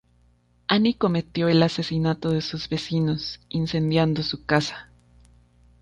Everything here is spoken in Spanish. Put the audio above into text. Annie cometió el asesinato de sus vecinos incendiando su casa.